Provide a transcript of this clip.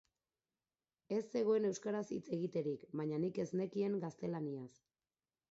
Ez zegoen euskaraz hitz egiterik, baina nik ez nekien gaztelaniaz.